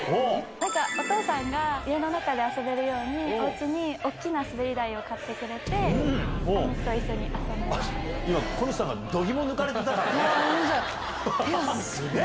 なんかお父さんが家の中で遊べるように、おうちに大きな滑り台を買ってくれて、今、小西さんが度肝を抜かれすげぇ。